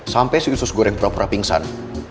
sampai si usus goreng pura pura pingsan